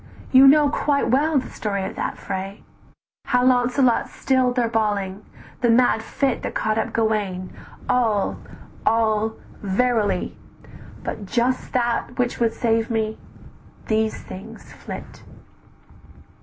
You know quite well the story of that fray, "How Launcelot still'd their bawling, the mad fit That caught up Gauwaine, all, all, verily, But just that which would save me; these things flit.